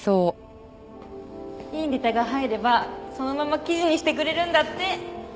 いいネタが入ればそのまま記事にしてくれるんだって。